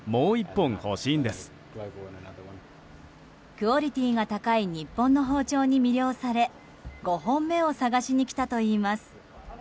クオリティーが高い日本の包丁に魅了され５本目を探しに来たといいます。